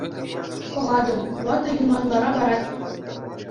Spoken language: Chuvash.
Пӑхатӑп — ватӑ юман лара парать.